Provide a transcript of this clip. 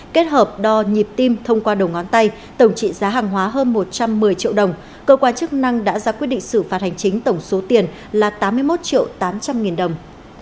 kết hợp đo nhịp tim thông qua đầu ngón tay tổng trị giá hàng hóa hơn một trăm một mươi triệu đồng cơ quan chức năng đã ra quyết định xử phạt hành chính tổng số tiền là tám mươi một triệu tám trăm linh nghìn đồng